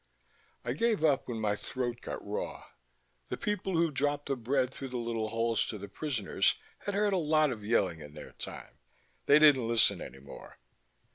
I gave up when my throat got raw. The people who dropped the bread through the little holes to the prisoners had heard a lot of yelling in their time. They didn't listen any more.